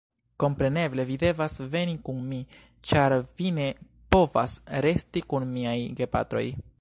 Kompreneble, vi devas veni kun mi, ĉar vi ne povas resti kun miaj gepatroj.